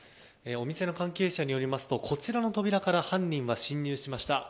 お店の関係者によるとこちらの扉から犯人が侵入しました。